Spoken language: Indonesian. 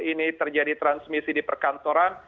ini terjadi transmisi di perkantoran